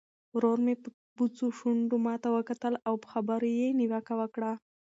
ورور مې په بوڅو شونډو ماته وکتل او په خبرو یې نیوکه وکړه.